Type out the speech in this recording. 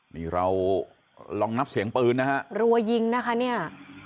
นี่เราลองนับเสียงปืนนะฮะรัวยิงนะคะเนี่ย